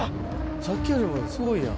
さっきよりもすごいやん。